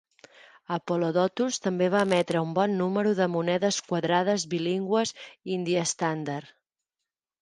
Apollodotus també va emetre un bon número de monedes quadrades bilingües indi-estàndard.